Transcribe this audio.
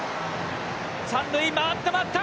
三塁、回った回った！